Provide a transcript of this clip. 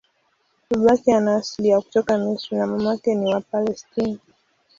Babake ana asili ya kutoka Misri na mamake ni wa Palestina.